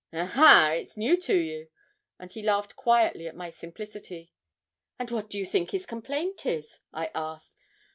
Aha! it's new to you?' and he laughed quietly at my simplicity. 'And what do you think his complaint is?' I asked.